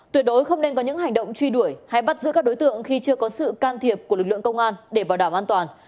tuyệt đối không nên có những hành động truy đuổi hay bắt giữ các đối tượng khi chưa có sự can thiệp của lực lượng công an để bảo đảm an toàn